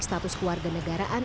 status keluarga negaraan